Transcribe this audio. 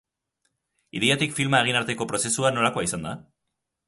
Ideiatik filma egin arteko prozesua nolakoa izan da?